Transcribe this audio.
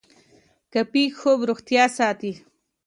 کافي خوب روغتیا ساتي.